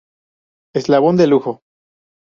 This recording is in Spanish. Eslabón de Lujo.